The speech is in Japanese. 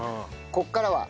ここからは。